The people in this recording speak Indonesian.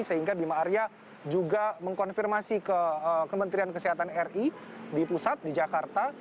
sehingga bima arya juga mengkonfirmasi ke kementerian kesehatan ri di pusat di jakarta